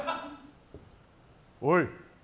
おい！